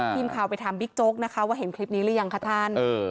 ทีมข่าวไปถามบิ๊กโจ๊กนะคะว่าเห็นคลิปนี้หรือยังคะท่าน